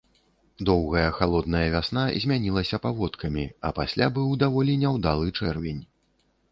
Доўгая халодная вясна змянілася паводкамі, а пасля быў даволі няўдалы чэрвень.